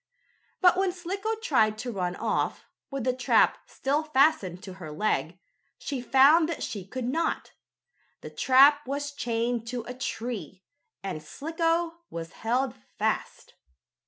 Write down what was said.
But when Slicko tried to run off, with the trap still fastened to her leg, she found that she could not. The trap was chained to a tree, and Slicko was held fast.